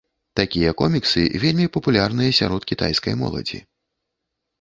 Такія коміксы вельмі папулярныя сярод кітайскай моладзі.